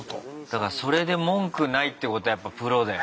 だからそれで文句ないってことはやっぱプロだよね。